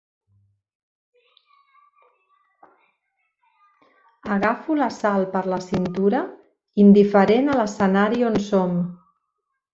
Agafo la Sal per la cintura, indiferent a l'escenari on som.